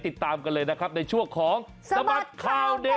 ติดตามกันเลยนะในชั่วของสมัสขาวเด็ก